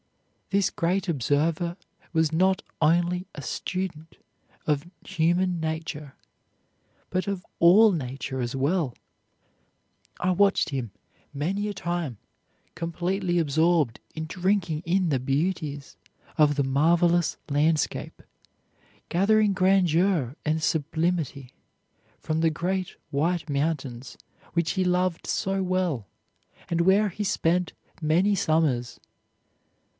This great observer was not only a student of human nature, but of all nature as well. I watched him, many a time, completely absorbed in drinking in the beauties of the marvelous landscape, gathering grandeur and sublimity from the great White Mountains, which he loved so well, and where he spent many summers.